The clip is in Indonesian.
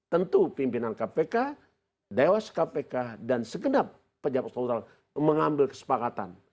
tentu pimpinan kpk dewas kpk dan segenap pejabat struktural mengambil kesepakatan